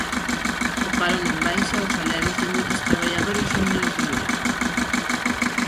O paro non baixa, os salarios de moitos traballadores son menos de mil euros.